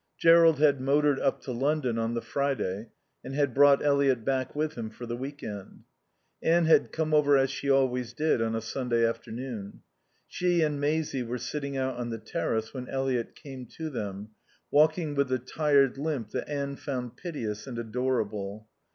Jerrold had motored up to London on the Friday and had brought Eliot back with him for the week end. Anne had come over as she always did on a Sunday afternoon. She and Maisie were sitting out on the terrace when Eliot came to them, walking with the tired limp that Anne found piteous and adorable.